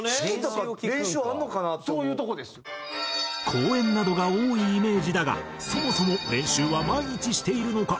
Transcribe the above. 公演などが多いイメージだがそもそも練習は毎日しているのか？